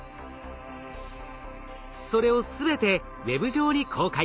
それを全てＷＥＢ上に公開。